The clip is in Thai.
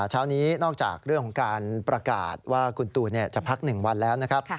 เช้านี้นอกจากเรื่องของการประกาศว่าคุณตูนจะพัก๑วันแล้วนะครับ